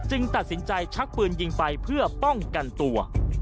ตัดสินใจชักปืนยิงไปเพื่อป้องกันตัว